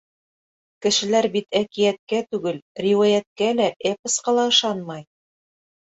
Кешеләр бит әкиәткә түгел, риүәйәткә лә, эпосҡа ла ышанмай.